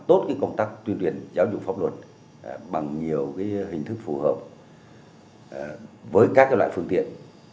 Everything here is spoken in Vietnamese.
tốt công tác tuyên truyền giáo dục pháp luật bằng nhiều hình thức phù hợp với các loại phương tiện